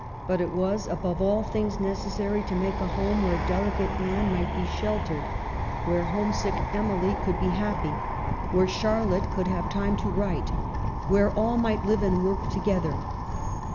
But it was above all things necessary to make a home where delicate Anne might be sheltered, where homesick Emily could 96 EMILY BRONTE. be happy, where Charlotte could have time to write, where all might live and work together.